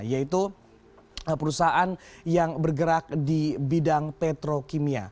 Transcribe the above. yaitu perusahaan yang bergerak di bidang petrokimia